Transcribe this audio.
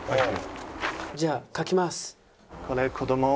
「じゃあ描きます」。